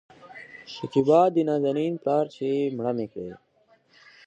شکيبا : د نازنين پلاره چې مړه مې کړې